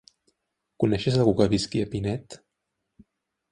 Coneixes algú que visqui a Pinet?